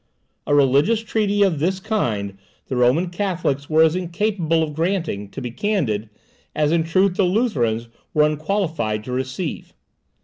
A religious treaty of this kind the Roman Catholics were as incapable of granting, to be candid, as in truth the Lutherans were unqualified to receive.